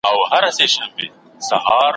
په خپل حسن وه مغروره خانتما وه ,